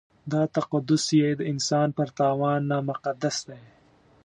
دا تقدس یې د انسان پر تاوان نامقدس دی.